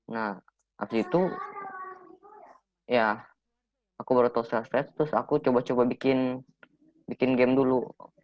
nah abis itu ya aku baru tahu stres terus aku coba coba bikin game dulu